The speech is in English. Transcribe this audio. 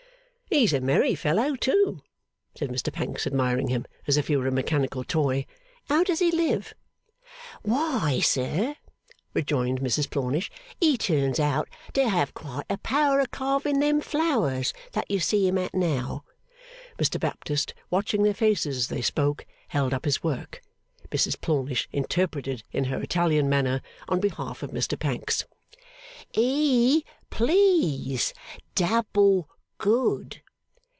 ') 'He's a merry fellow, too,' said Mr Pancks, admiring him as if he were a mechanical toy. 'How does he live?' 'Why, sir,' rejoined Mrs Plornish, 'he turns out to have quite a power of carving them flowers that you see him at now.' (Mr Baptist, watching their faces as they spoke, held up his work. Mrs Plornish interpreted in her Italian manner, on behalf of Mr Pancks, 'E please. Double good!